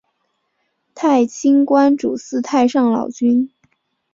太清观主祀太上老君。